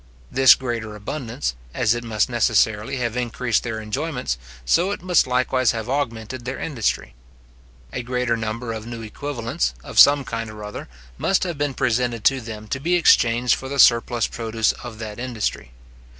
This greater abundance, as it must necessarily have increased their enjoyments, so it must likewise have augmented their industry. A greater number of new equivalents, of some kind or other, must have been presented to them to be exchanged for the surplus produce of that industry.